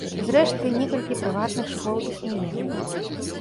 Зрэшты, некалькі прыватных школ існуе.